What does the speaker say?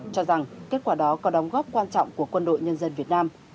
cho rằng kết quả đó có đóng góp quan trọng của quân đội nhân dân việt nam